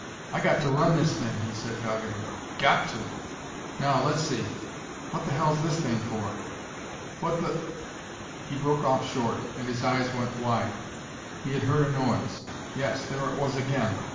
"I got to run this thing," he said doggedly. "Got to! Now, let's see: what the hell's this thing for?... What the " He broke off short, and his eyes went wide. He had heard a noise! Yes there it was again!